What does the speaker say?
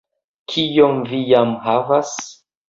Kiom vi jam havas?